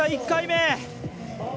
１回目！